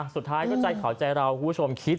สุดท้ายก็ใจเขาใจเราคุณผู้ชมคิด